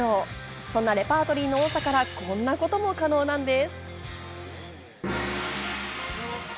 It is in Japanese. そんなレパートリーの多さからこんなことも可能なんです。